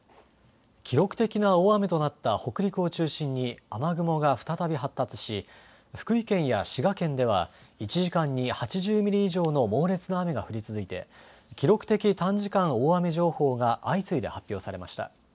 記録的な大雨となった北陸を中心に雨雲が再び発達し福井県や滋賀県では１時間に８０ミリ以上の猛烈な雨が降り続いて記録的短時間大雨情報が相次いで発表されました。